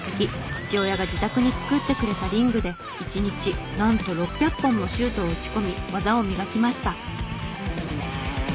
父親が自宅に作ってくれたリングで１日なんと６００本もシュートを打ち込み技を磨きました。